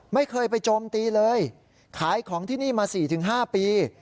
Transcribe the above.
ไม่เคยไปโจมตีเลยขายของที่นี่มาสี่ถึงห้าปี